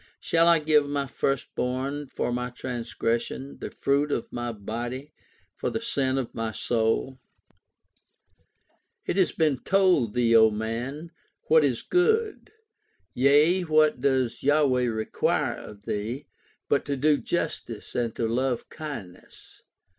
Shall I give my first born for my transgression, the fruit of my body for the sin of my soul ? It has been told thee, O man, what is good. Yea, what does Yahweh require of thee, But to do justice and to love kindness.